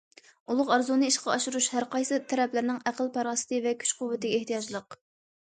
ئۇلۇغ ئارزۇنى ئىشقا ئاشۇرۇش ھەرقايسى تەرەپلەرنىڭ ئەقىل- پاراسىتى ۋە كۈچ- قۇۋۋىتىگە ئېھتىياجلىق.